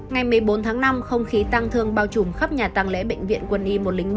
ngày một mươi bốn tháng năm không khí tăng thương bao trùm khắp nhà tăng lễ bệnh viện quân y một trăm linh ba